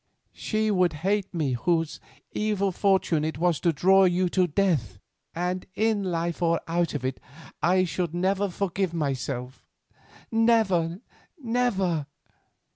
"She would hate me whose evil fortune it was to draw you to death, and in life or out of it I should never forgive myself—never! never!"